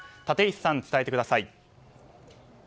立石さん、伝えてください。